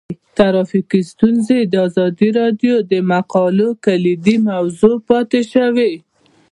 ټرافیکي ستونزې د ازادي راډیو د مقالو کلیدي موضوع پاتې شوی.